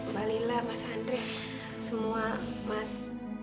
balila mas andre semua mas